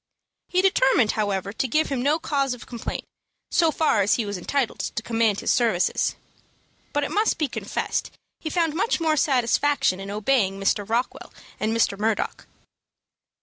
He determined, however, to give him no cause of complaint, so far as he was entitled to command his services; but it must be confessed he found much more satisfaction in obeying Mr. Rockwell and Mr. Murdock.